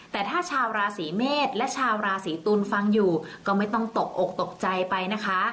แต่ถ้าชาวราศีเมษและชาวราศีตุลฟังอยู่ก็ไม่ต้องตกอกตกใจไปนะคะ